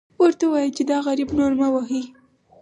ورته ووایه چې دا غریب نور مه وهئ.